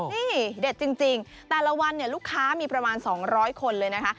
นี่เด็ดจริงแต่ละวันเนี่ยลูกค้ามีประมาณ๒๐๐คนเลยนะคะ